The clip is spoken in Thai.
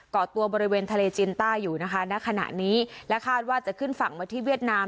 เกาะตัวบริเวณทะเลจีนใต้อยู่นะคะณขณะนี้และคาดว่าจะขึ้นฝั่งมาที่เวียดนาม